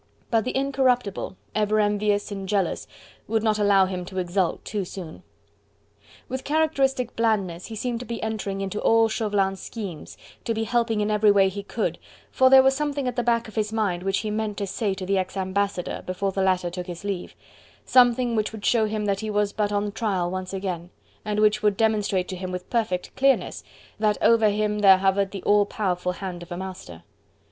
But the Incorruptible, ever envious and jealous, would not allow him to exult too soon. With characteristic blandness he seemed to be entering into all Chauvelin's schemes, to be helping in every way he could, for there was something at the back of his mind which he meant to say to the ex ambassador, before the latter took his leave: something which would show him that he was but on trial once again, and which would demonstrate to him with perfect clearness that over him there hovered the all powerful hand of a master.